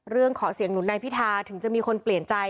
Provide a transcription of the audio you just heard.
ขอเสียงหนุนนายพิธาถึงจะมีคนเปลี่ยนใจ